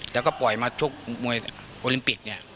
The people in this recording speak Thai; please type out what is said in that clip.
แล้วก็ปล่อยมาชกมวยโอลิมปิกเนี่ย